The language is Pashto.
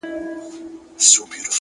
حوصله ستړې ورځې نرموي،